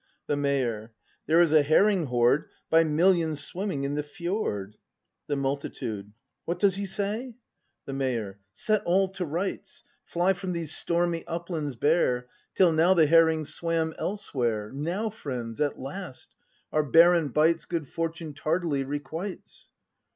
The Mayor. There is a herring horde By millions swimming in the fjord! The Multitude, What does he say? 276 BRAND [act v The Mayor. Set all to rights! Fly from these stormy uplands bare. Till now the herrings swam elsewhere; Now, friends, at last, our barren bights Good fortune tardily requites.